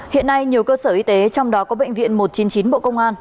hiện nay nhiều cơ sở y tế trong đó có bệnh viện một trăm chín mươi chín bộ công an